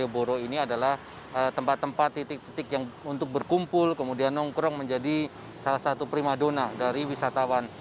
berkumpul kemudian nongkrong menjadi salah satu prima dona dari wisatawan